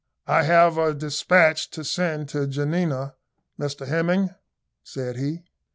"I have a despatch to send to Janina, Mr Hemming," said he.